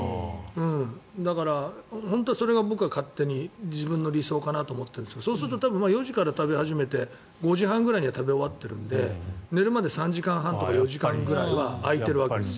だから、本当にそれ僕は勝手に自分の理想かなと思ってるんですけどそうすると４時から食べ始めて５時半くらいには食べ終わってるので寝るまで３時間半ぐらいとか４時間は空いているわけです。